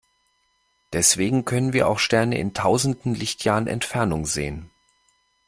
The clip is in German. Deswegen können wir auch Sterne in tausenden Lichtjahren Entfernung sehen.